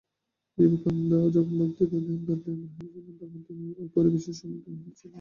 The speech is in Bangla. বিবেকানন্দ যখন বক্তৃতা দিতে দণ্ডায়মান হইয়াছিলেন, তখন তিনি ঐ পরিবেশেরই সম্মুখীন হইয়াছিলেন।